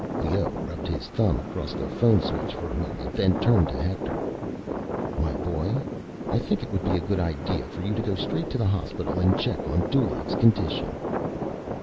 Leoh rubbed his thumb across the phone switch for a moment, then turned to Hector. "My boy, I think it would be a good idea for you to go straight to the hospital and check on Dulaq's condition."